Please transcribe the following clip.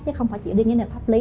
chứ không phải chỉ đến pháp lý